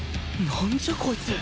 なんじゃこいつ！